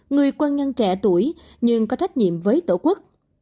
người quân nhân trẻ tuổi nhưng có trách nhiệm với tổ quốc